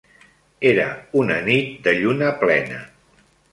Era una nit de lluna plena.